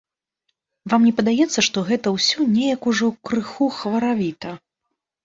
Вам не падаецца, што гэта ўсё неяк ужо крыху хваравіта?